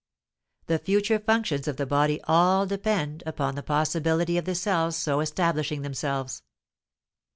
The future functions of the body all depend upon the possibility of the cells so establishing themselves.